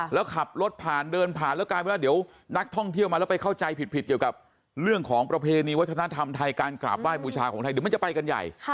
แล้วขับรถผ่านเดินผ่านแล้วกลายเป็นว่าเดี๋ยวนักท่องเที่ยวมาแล้วไปเข้าใจผิดเกี่ยวกับเรื่องของประเพณีวัฒนธรรมไทยการกราบไห้บูชาของไทยเดี๋ยวมันจะไปกันใหญ่